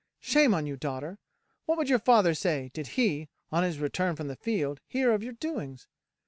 Shame on you, daughter! What would your father say, did he, on his return from the field, hear of your doings?